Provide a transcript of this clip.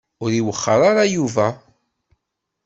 Ur iwexxeṛ ara Yuba.